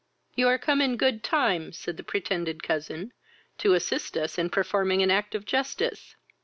"You are come in good time, (said the pretended cousin,) to assist us in performing an act of justice."